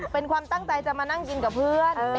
เป็นความตั้งใจจะมานั่งกินกับเพื่อน